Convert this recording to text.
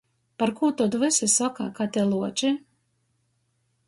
Parkū tod vysi soka, ka te luoči?